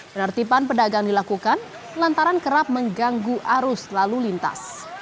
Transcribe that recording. penertiban pedagang dilakukan lantaran kerap mengganggu arus lalu lintas